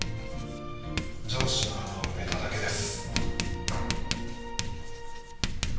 上司の穴を埋めただけです